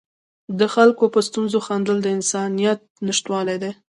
د خلکو په ستونزو خندل د انسانیت نشتوالی دی.